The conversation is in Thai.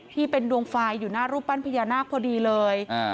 ที่เป็นดวงไฟอยู่หน้ารูปปั้นพญานาคพอดีเลย